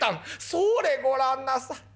「それご覧なさい。